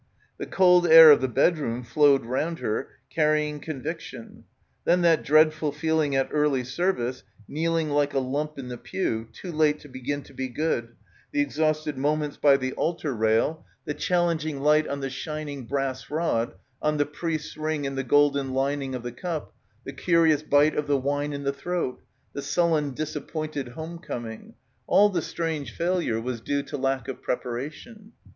The cold air of the bed room flowed round her carrying conviction. Then that dreadful feeling at early service, kneeling like a lump in the pew, too late to begin to be good, the exhausted moments by the altar rail —— 140 — BACKWATER the challenging light on the shining brass rod, on the priest's ring and the golden lining of the cup, the curious bite of the wine in the throat — the sullen disappointed home coming; all the strange failure was due to lack of preparation.